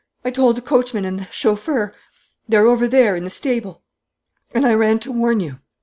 I told the coachman and the chauffeur. They're over there, in the stable. And I ran to warn you."